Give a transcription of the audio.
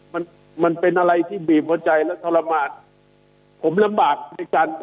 มันมันเป็นอะไรที่บีบหัวใจและทรมานผมลำบากในการ